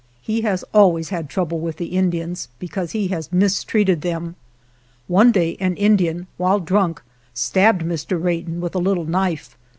He has always had trouble with the Indians, because he has mistreated them. One day an Indian, while drunk, stabbed Mr. Wratton with a little knife.